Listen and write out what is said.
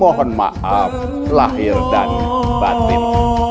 mohon maaf lahir dan batin